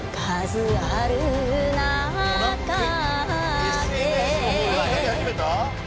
ＳＮＳの方でやり始めた？